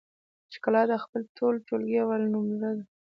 ښکلا د خپل ټولګي اول نمره ده